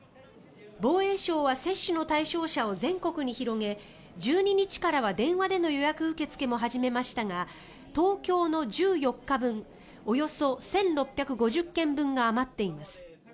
防衛省は接種の対象者を全国に広げ１２日からは電話での予約受け付けも始めましたが東京の１４日分およそ１６５０件分が余っています。